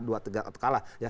dua tiga kalah